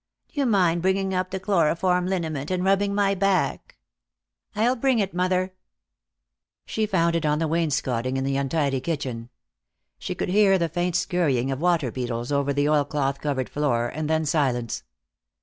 "D'you mind bringing up the chloroform liniment and rubbing my back?" "I'll bring it, mother." She found it on the wainscoting in the untidy kitchen. She could hear the faint scurrying of water beetles over the oilcloth covered floor, and then silence.